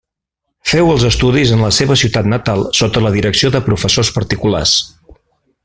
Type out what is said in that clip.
Féu els estudis en la seva ciutat natal sota la direcció de professors particulars.